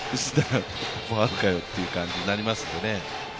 ファウルかよという感じになりますので。